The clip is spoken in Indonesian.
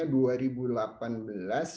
kita sudah mulai